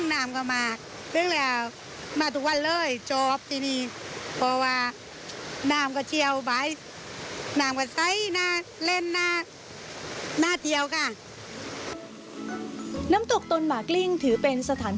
น้ำตกตนหมากลิ้งถือเป็นสถานที่